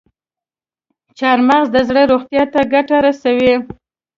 چارمغز د زړه روغتیا ته ګټه رسوي.